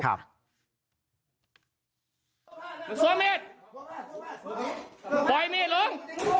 พลอยมีนลง